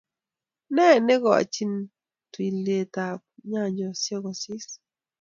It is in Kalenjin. Nei kochini tuletab nyanjoshiek kosis